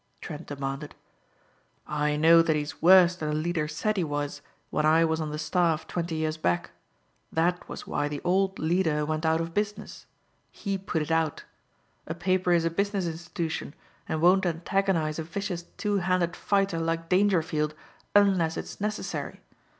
Trent demanded. "I know that he's worse than the Leader said he was when I was on the staff twenty years back. That was why the old Leader went out of business. He put it out. A paper is a business institution and won't antagonize a vicious two handed fighter like Dangerfield unless it's necessary.